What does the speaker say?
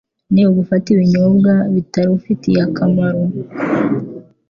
ni ugufata ibinyobwa bitarufitiye akamaro